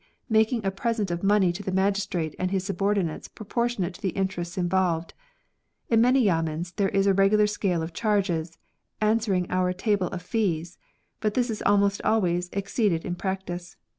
making a present of money to the magistrate and his subordinates proportionate to the interests involved. In many yamens there is a re gular scale of charges, answering to our Table of Fees, but this is almost always exceeded in practice.